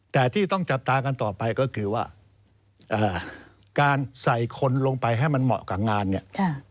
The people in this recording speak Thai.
แต่ที่ต้องจับตากันต่อไปก็คือว่าการใส่คนลงไปให้มันเหมาะกับงานเนี่ย